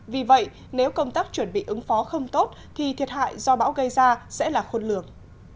vì vậy nếu công tác chuẩn bị ứng phó không tốt thì thiệt hại do bão gây ra sẽ là khôn lường